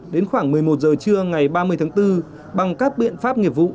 đến khoảng một mươi một giờ trưa ngày ba mươi tháng bốn bằng các biện pháp nghiệp vụ